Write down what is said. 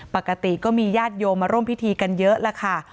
ปกติก็มีญาติโยมมาร่วมพิธีกันเยอะแล้วค่ะ